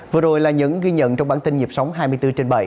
vừa rồi là những ghi nhận trong bản tin nhịp sống hai mươi bốn trên bảy